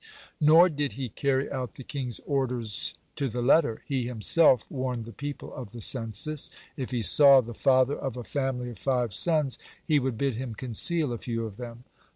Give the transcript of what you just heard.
Nor did he carry out the king's orders to the letter. He himself warned the people of the census. If he saw the father of a family of five sons, he would bid him conceal a few of them.